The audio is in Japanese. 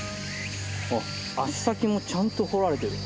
あっ足先もちゃんと彫られてる。